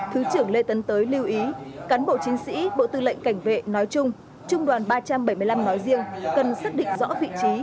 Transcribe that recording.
thứ trưởng lê tấn tới lưu ý cán bộ chiến sĩ bộ tư lệnh cảnh vệ nói chung trung đoàn ba trăm bảy mươi năm nói riêng cần xác định rõ vị trí